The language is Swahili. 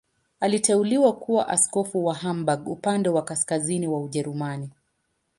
Aliteuliwa kuwa askofu wa Hamburg, upande wa kaskazini wa Ujerumani.